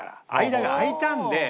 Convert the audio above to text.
間が空いたんで。